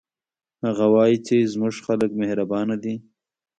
هغه وایي چې زموږ خلک مهربانه دي